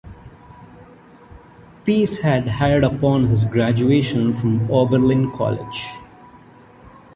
Pease had hired upon his graduation from Oberlin College.